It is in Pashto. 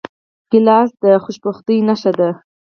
ګیلاس د خوشبختۍ نښه ده.